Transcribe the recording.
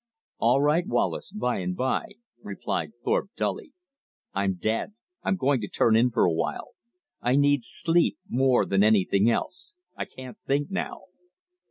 "All right, Wallace, by and by," replied Thorpe dully. "I'm dead. I'm going to turn in for a while. I need sleep more than anything else. I can't think now."